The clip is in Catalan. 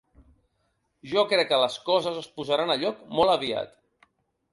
Jo crec que les coses es posaran a lloc molt aviat.